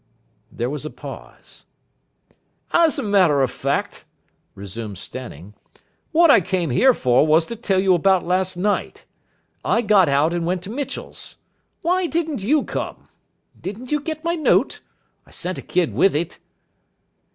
There was a pause. "As a matter of fact," resumed Stanning, "what I came here for was to tell you about last night. I got out, and went to Mitchell's. Why didn't you come? Didn't you get my note? I sent a kid with it."